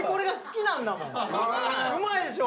うまいでしょ？